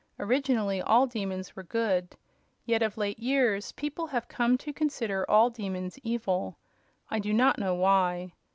Originally all demons were good, yet of late years people have come to consider all demons evil. I do not know why.